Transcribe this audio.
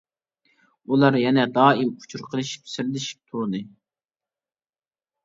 ئۇلار يەنە دائىم ئۇچۇر قىلىشىپ سىردىشىپ تۇردى.